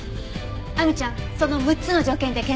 亜美ちゃんその６つの条件で検索。